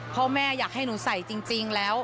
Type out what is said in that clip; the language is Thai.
พ่อแม่อยากให้หนูใส่จริงแล้ว